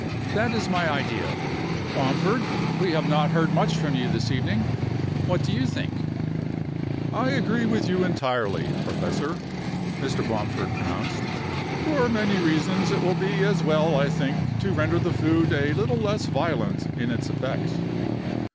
That is my idea, Bomford. We have not heard much from you this evening. What do you think?" "I agree with you entirely, professor," Mr. Bomford pronounced. "For many reasons it will be as well, I think, to render the food a little less violent in its effects."